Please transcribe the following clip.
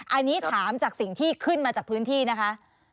อันนี้ถามจากสิ่งที่ขึ้นมาจากพื้นที่นะคะ